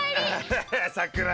ハッハさくら